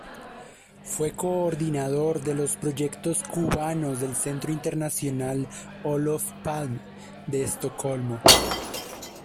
Fue Coordinador de los proyectos cubanos del Centro Internacional Olof Palme, de Estocolmo.